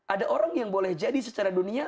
ada orang yang boleh jadi secara dunia